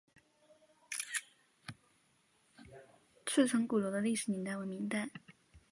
赤城鼓楼的历史年代为明代。